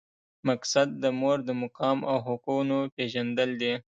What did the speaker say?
مقصد د مور د مقام او حقونو پېژندل دي.